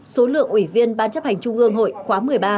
số lượng ủy viên ban chấp hành trung ương hội khóa một mươi ba